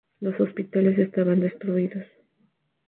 Los hospitales estaban destruidos.